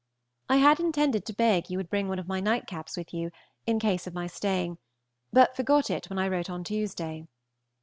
I had intended to beg you would bring one of my nightcaps with you, in case of my staying, but forgot it when I wrote on Tuesday.